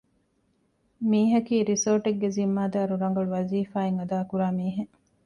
މީހަކީ ރިސޯޓެއްގެ ޒިންމާދާރު ރަނގަޅު ވަޒީފާއެއް އަދާކުރާ މީހެއް